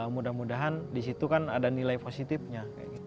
mudah mudahan di situ kan ada nilai positifnya